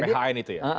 pphn itu ya